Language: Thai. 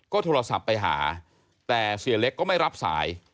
โทรศัพท์ไปหาแต่เสียเล็กก็ไม่รับสาย